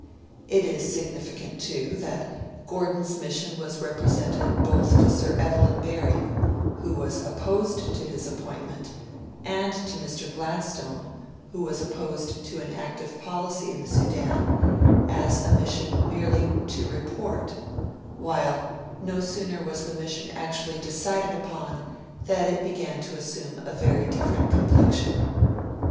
It is significant, too, that Gordon's mission was represented both to Sir Evelyn Baring, who was opposed to his appointment, and to Mr. Gladstone, who was opposed to an active policy in the Sudan, as a mission merely 'to report'; while, no sooner was the mission actually decided upon, than it began to assume a very different complexion.